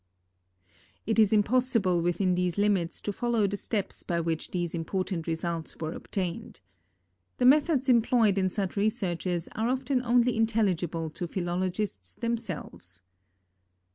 It is impossible, within these limits, to follow the steps by which these important results were obtained. The methods employed in such researches are often only intelligible to philologists themselves.